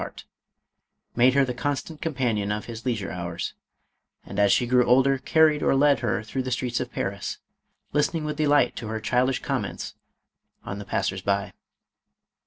475 heart, made her the constant companion of his leisure hours, and as she grew older, carried or led her through the streets of Paris, listening with delight to her child ish comments on the passers by.